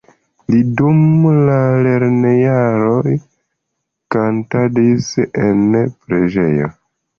Li dum la lernojaroj kantadis en preĝejo.